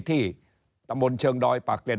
ที่ตะบนเชิงดอยปากเกลียด